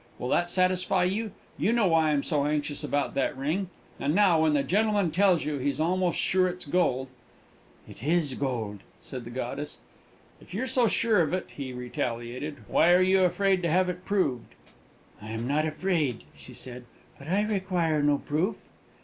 Will that satisfy you? You know why I'm so anxious about that ring; and now, when the gentleman tells you he's almost sure it's gold " "It is gold!" said the goddess. "If you're so sure about it," he retaliated, "why are you afraid to have it proved?" "I am not afraid," she said; "but I require no proof!"